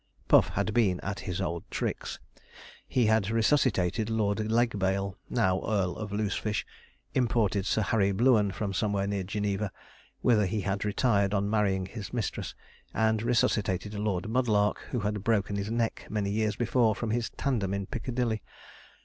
Puff had been at his old tricks. He had resuscitated Lord Legbail, now Earl of Loosefish; imported Sir Harry Blueun from somewhere near Geneva, whither he had retired on marrying his mistress; and resuscitated Lord Mudlark, who had broken his neck many years before from his tandem in Piccadilly.